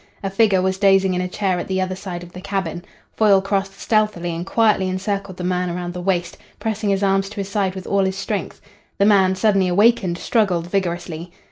A figure was dozing in a chair at the other side of the cabin. Foyle crossed stealthily and quietly encircled the man around the waist, pressing his arms to his side with all his strength. The man, suddenly awakened, struggled vigorously.